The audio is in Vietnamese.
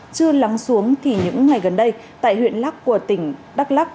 chưa lắng xuống thì những ngày gần đây tại huyện lắc của tỉnh đắk lắc